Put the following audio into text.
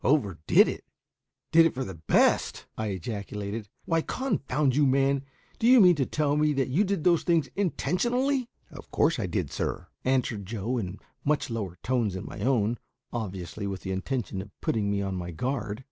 "Overdid it? Did it for the best?" I ejaculated. "Why, confound you, man, do you mean to tell me that you did those things intentionally?" "Of course I did, sir," answered Joe, in much lower tones than my own, obviously with the intention of putting me on my guard.